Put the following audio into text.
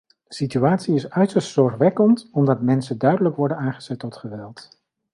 De situatie is uiterst zorgwekkend, omdat mensen duidelijk worden aangezet tot geweld.